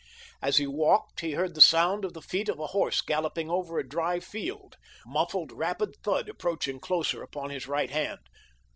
As he walked he heard the sound of the feet of a horse galloping over a dry field—muffled, rapid thud approaching closer upon his right hand.